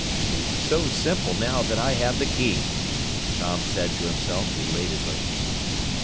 "Seems so simple now that I have the key!" Tom said to himself elatedly.